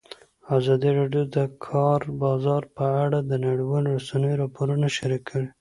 ازادي راډیو د د کار بازار په اړه د نړیوالو رسنیو راپورونه شریک کړي.